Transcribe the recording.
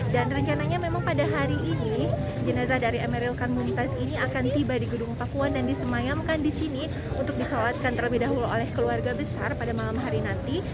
dan rencananya memang pada hari ini jenazah dari emeril penungkes ini akan tiba di gedung pakuan dan disemayamkan disini untuk diselamatkan terlebih dahulu oleh keluarga besar pada malam hari nanti